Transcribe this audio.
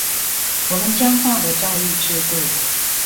我們僵化的教育制度